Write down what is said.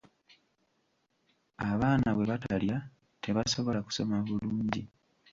Abaana bwe batalya tebasobola kusoma bulungi.